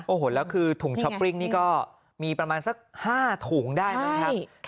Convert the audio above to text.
โอ้โหแล้วคือถุงช้อปปิ้งนี่ก็มีประมาณสัก๕ถุงได้มั้งครับ